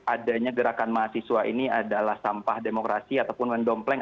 adanya gerakan mahasiswa ini adalah sampah demokrasi ataupun mendompleng